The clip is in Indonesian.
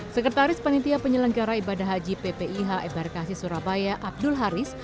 sekretaris panitia penyelenggara ibadah haji ppih ebarkasi surabaya abdul haris